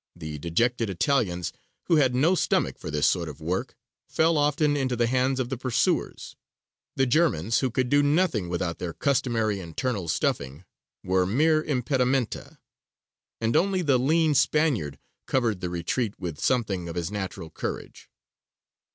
The dejected Italians, who had no stomach for this sort of work, fell often into the hands of the pursuers; the Germans, who could do nothing without their customary internal stuffing, were mere impedimenta; and only the lean Spaniard covered the retreat with something of his natural courage.